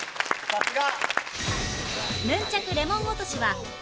さすが！